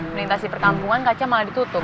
melintasi perkampungan kaca malah ditutup